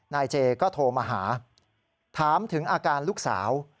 นายเจก็โทรมาหาถามถึงอาการลูกสาว